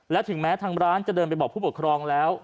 และถึงแม้ทางร้านจะเดินไปบอกผู้ปกครองแล้ว